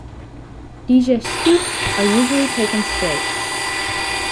Digestifs are usually taken straight.